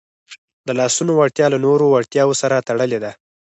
د لاسونو وړتیا له نورو وړتیاوو سره تړلې ده.